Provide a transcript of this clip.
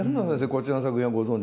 こちらの作品はご存じ？